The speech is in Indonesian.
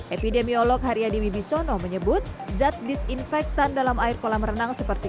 epidemiolog haryadi wibisono menyebut zat disinfektan dalam air kolam renang seperti